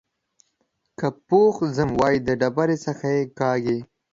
که چوخ ځم وايي د ډبرۍ څخه يې کاږي.